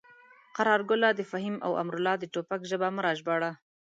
قراره ګله د فهیم او امرالله د ټوپک ژبه مه راژباړه.